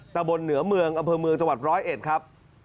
ตะบนเหนือเมืองอำเภอเมืองจังหวัดร้อยเอ็ดครับ